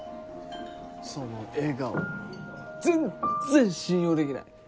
その笑顔全然信用できない。